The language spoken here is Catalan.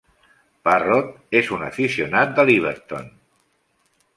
Parrott és un aficionat de l"Everton.